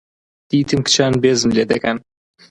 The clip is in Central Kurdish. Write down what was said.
دیتم کچان بێزم لێ دەکەن.